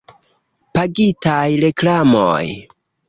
Pagitaj reklamoj.